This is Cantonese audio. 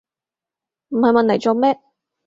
唔係問黎做咩